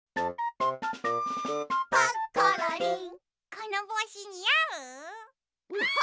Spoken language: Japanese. このぼうしにあう？キャ！